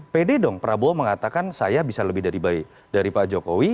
pede dong prabowo mengatakan saya bisa lebih dari pak jokowi